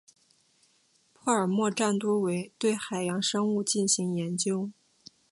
帕尔默站多为对海洋生物进行研究。